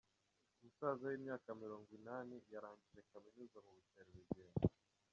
Umusaza w’imyaka mirongwinani yarangije Kaminuza mu bukerarugendo